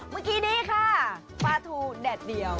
เมื่อกี้นี้ค่ะปลาทูแดดเดียว